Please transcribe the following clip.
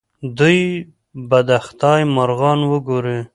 دوی به د خدای مرغان وګوري.